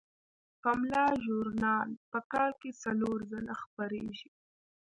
پملا ژورنال په کال کې څلور ځله خپریږي.